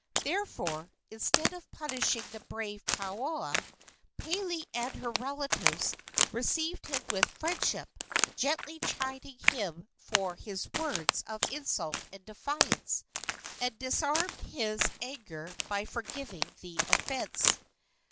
Therefore, instead of punishing the brave Paoa, Pele and her relatives received him with friendship, gently chided him for his words of insult and defiance, and disarmed his anger by forgiving the offence.